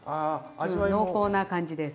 濃厚な感じです。